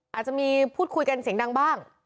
อาจจะมีพูดคุยกันเสียงดังบ้าง